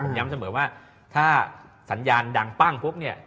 ผมย้ำเสมอว่าถ้าสัญญาณดังปั้งปุ๊บเนี่ย